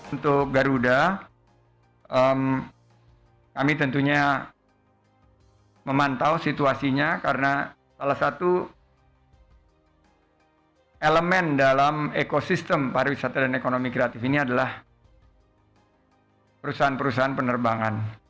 untuk garuda kami tentunya memantau situasinya karena salah satu elemen dalam ekosistem pariwisata dan ekonomi kreatif ini adalah perusahaan perusahaan penerbangan